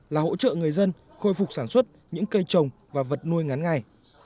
là hỗ trợ người dân khôi phục sản xuất những cây trồng và vật nuôi ngắn ngày